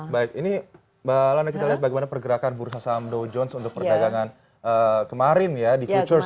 baik ini mbak lana kita lihat bagaimana pergerakan bursa saham dow jones untuk perdagangan kemarin ya di futures